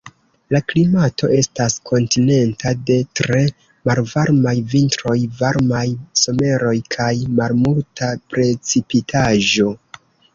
La klimato estas kontinenta de tre malvarmaj vintroj, varmaj someroj kaj malmulta precipitaĵo.